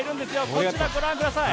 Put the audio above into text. こちら、ご覧ください。